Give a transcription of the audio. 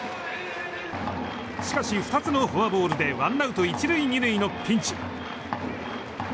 しかし、２つのフォアボールでワンアウト１塁２塁のピンチ。